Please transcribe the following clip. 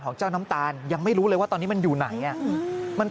เจ้าน้ำตาลยังไม่รู้เลยว่าตอนนี้มันอยู่ไหน